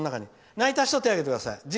泣いた人手を挙げてください。